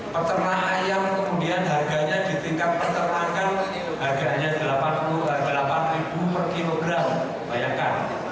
pertanah ayam kemudian harganya di tingkat pertanah kan harganya rp delapan per kilogram bayangkan